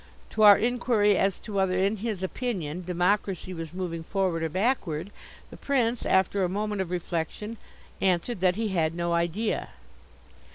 To our inquiry as to whether in his opinion democracy was moving forward or backward, the Prince, after a moment of reflection, answered that he had no idea.